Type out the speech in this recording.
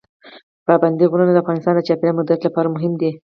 پابندي غرونه د افغانستان د چاپیریال مدیریت لپاره مهم دي.